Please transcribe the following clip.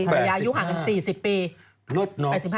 ภรรยาอายุห่างกัน๔๐ปี